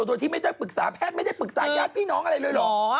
โดยที่ไม่ได้ปรึกษาแพทย์ไม่ได้ปรึกษาญาติพี่น้องอะไรเลยเหรอ